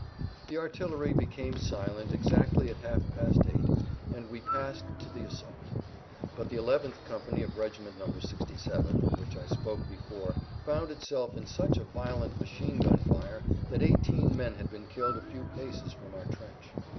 The artillery became silent exactly at half past eight,[Pg 154] and we passed to the assault. But the 11th company of regiment No. 67, of which I spoke before, found itself in a such a violent machine gun fire that eighteen men had been killed a few paces from our trench.